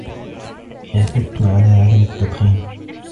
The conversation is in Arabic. اعتدت على عدم التدخين.